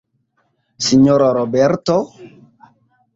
Sinjoro Roberto?